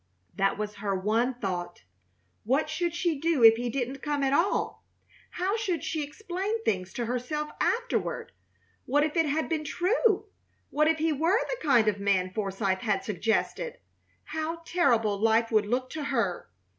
That was her one thought. What should she do if he didn't come at all? How should she explain things to herself afterward? What if it had been true? What if he were the kind of man Forsythe had suggested? How terrible life would look to her!